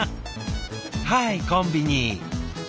はいコンビニ。